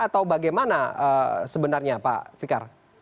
atau bagaimana sebenarnya pak fikar